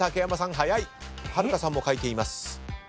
春香さんも書いています。